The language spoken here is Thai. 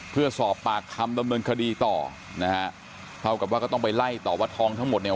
เพื่อสอบปากคำดำเนินคดีต่อนะฮะเท่ากับว่าก็ต้องไปไล่ต่อว่าทองทั้งหมดเนี่ย